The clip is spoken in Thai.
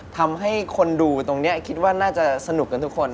ทำให้คนดูตรงนี้คิดว่าน่าจะสนุกกันทุกคน